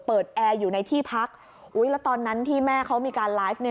แอร์อยู่ในที่พักแล้วตอนนั้นที่แม่เขามีการไลฟ์